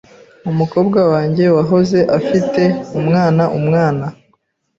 Umukobwa wanjye wahoze afite umwana umwana